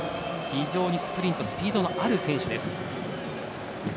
非常にスプリントスピードのある選手です。